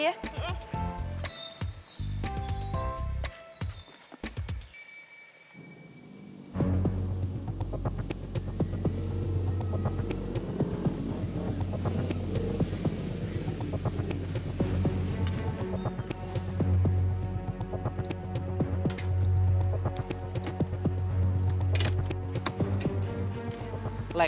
jangan marah ya